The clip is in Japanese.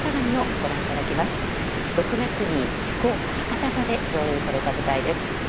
６月に福岡博多座で上演された舞台です。